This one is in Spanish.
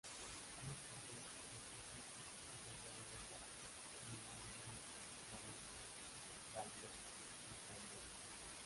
Más tarde dejó Egipto y volvió a Europa vía Beirut, Damasco, Baalbek y Estambul.